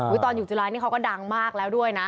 ตอนอยู่จุฬานี่เขาก็ดังมากแล้วด้วยนะ